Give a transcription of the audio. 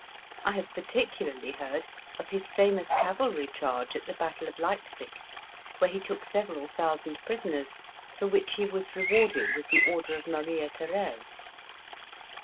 I have particularly heard of his famous cavalry charge at the battle of Leipsic, where he took several thousand prisoners, for which he was rewarded with the Order of Maria Therese."